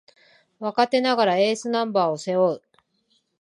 若手ながらエースナンバーを背負う